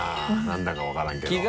何だか分からんけど。